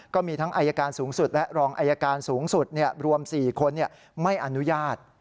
ก็มีทั้งอายการสูงสุดและรองอายการสูงสุดรวม๔คนไม่อนุญาต